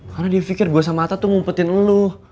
karena dia pikir gue sama ata tuh ngumpetin lo